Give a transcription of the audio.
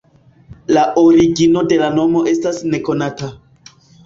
La origino de la nomo estas nekonata.